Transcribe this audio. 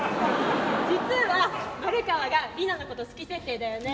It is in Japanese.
実は「『マルカワ』が『リナ』のこと好き設定」だよね。